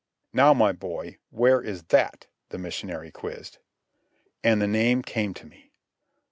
"Now, my boy, where is that?" the missionary quizzed. And the name came to me!